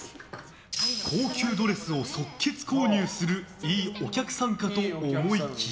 高級ドレスを即決購入するいいお客さんかと思いきや。